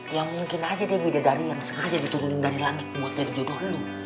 ya mungkin aja deh widya dari yang sengaja diturunin dari langit buat jadi jodoh lo